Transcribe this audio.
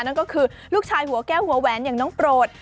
นั่นก็คือลูกชายหัวแก้วหัวแหวนอย่างน้องโปรด